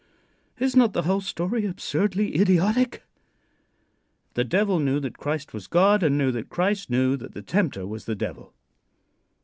Is not the whole story absurdly idiotic? The Devil knew that Christ was God, and knew that Christ knew that the tempter was the Devil.